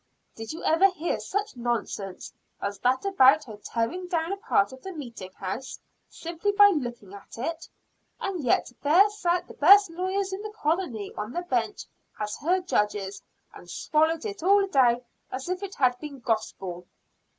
"Did you ever hear such nonsense as that about her tearing down a part of the meeting house simply by looking at it? And yet there sat the best lawyers in the colony on the bench as her judges, and swallowed it all down as if it had been gospel."